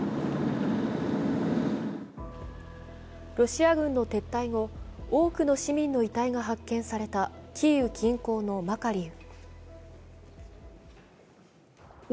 ロシア軍の撤退後、多くの市民の遺体が発見されたキーウ近郊のマカリウ。